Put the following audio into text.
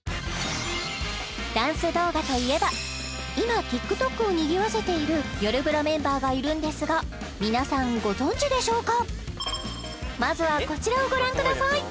ダンス動画といえば今ＴｉｋＴｏｋをにぎわせているよるブラメンバーがいるんですが皆さんご存じでしょうか？